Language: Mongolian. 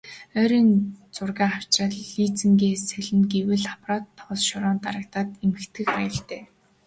Ойрын зургаа авчхаад линзээ солино гэвэл аппарат тоос шороонд дарагдаад гэмтэх аюултай.